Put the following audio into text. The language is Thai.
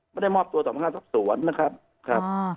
ไม่ได้มอบตัวต่อมาข้ามทรัพย์สวนนะครับ